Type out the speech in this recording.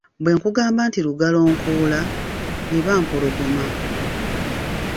Bwe nkugamba nti Lugalonkoola, eba Mpologoma.